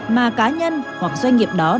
mà cá nhân hoặc doanh nghiệp không có thể tìm ra